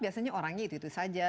biasanya orangnya itu saja